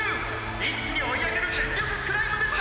一気に追い上げる全力クライムでした！！」